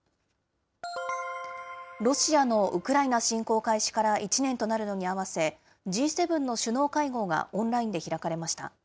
ロシアのウクライナ侵攻開始から１年となるのに合わせ、Ｇ７の首脳会合がオンラインで開かれました。